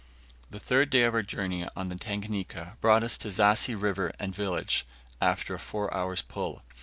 The third day of our journey on the Tanganika brought us to Zassi River and village, after a four hours' pull.